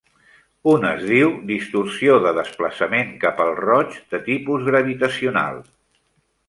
Un es diu distorsió de desplaçament cap al roig de tipus gravitacional.